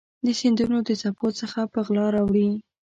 د سیندونو د څپو څه په غلا راوړي